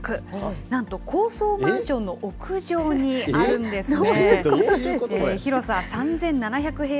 なんと高層マンションの屋上にあるんですね。